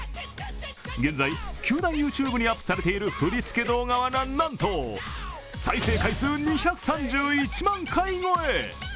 現在、球団ＹｏｕＴｕｂｅにアップされている振りつけ動画はなんと、再生回数２３１万回超え。